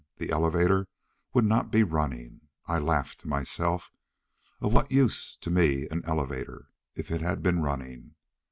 The elevator would not be running. I laughed to myself. Of what use to me an elevator, if it had been running?